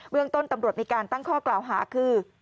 เรื่องต้นตำรวจมีการตั้งข้อกล่าวหาคือ